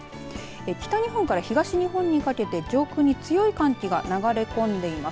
北日本から東日本にかけて上空に強い寒気が流れ込んでいます。